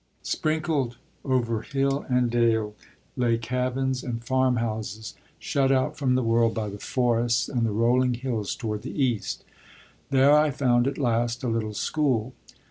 Sprinkled over hill and dale lay cabins and farmhouses, shut out from the world by the forests and the rolling hills toward the east. There I found at last a little school.